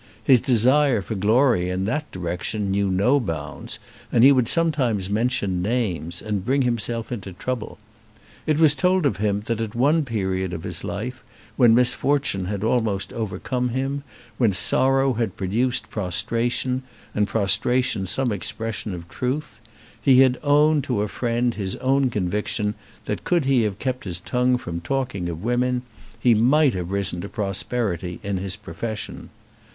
His desire for glory in that direction knew no bounds, and he would sometimes mention names, and bring himself into trouble. It was told of him that at one period of his life, when misfortune had almost overcome him, when sorrow had produced prostration, and prostration some expression of truth, he had owned to a friend his own conviction that could he have kept his tongue from talking of women, he might have risen to prosperity in his profession.